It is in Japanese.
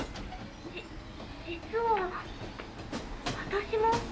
じ実は私も。